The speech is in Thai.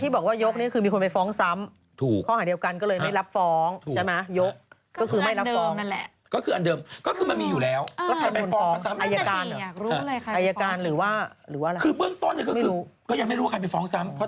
ก็แสดงว่าที่บอกว่ายกคือมีคนไปฟ้องซ้ำ